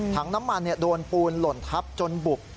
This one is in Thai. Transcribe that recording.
ถังน้ำมันโดนปูนหล่นทับจนบุบ